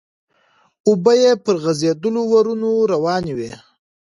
اوبه يې پر غزيدلو ورنو روانې وې.